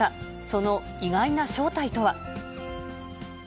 その意外な正体とは。